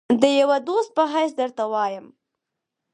د یوه دوست په حیث درته وایم.